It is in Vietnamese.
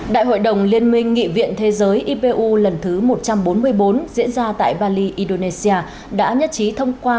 đại hội đồng liên minh nghị viện thế giới ipu lần thứ một trăm bốn mươi bốn diễn ra tại vali indonesia đã nhất trí thông qua